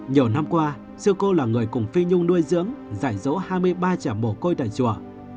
nhiều năm qua sư cô là người cùng phi nhung nuôi dưỡng dạy dỗ hai mươi ba trẻ mổ côi tại chùa